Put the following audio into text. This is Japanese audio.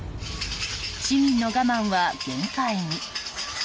市民の我慢は限界に。